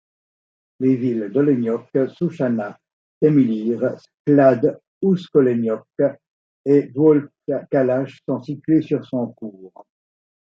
Les villes d'Oleniok, Souchana, Taimilyr, Sklad, Oust-Oleniok et Bouolkalach sont situées sur son cours.